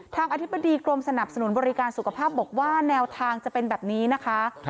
อธิบดีกรมสนับสนุนบริการสุขภาพบอกว่าแนวทางจะเป็นแบบนี้นะคะ